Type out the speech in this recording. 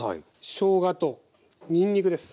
しょうがとにんにくです。